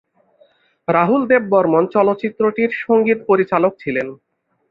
রাহুল দেব বর্মণ চলচ্চিত্রটির সঙ্গীত পরিচালক ছিলেন।